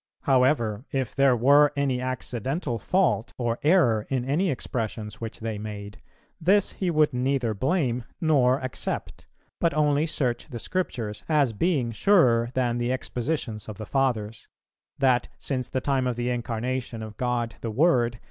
However, if there were any accidental fault or error in any expressions which they made, this he would neither blame nor accept; but only search the Scriptures, as being surer than the expositions of the Fathers; that since the time of the Incarnation of God the Word